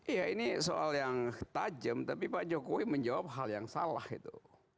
iya ini soal yang tajam tapi pak jokowi menjawab hal yang salah itu